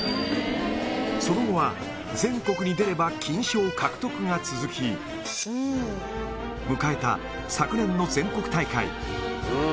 その後は全国に出れば金賞獲得が続き、迎えた昨年の全国大会。